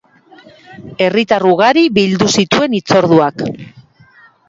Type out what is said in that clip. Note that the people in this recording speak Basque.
Herritar ugari bildu zituen hitzorduak.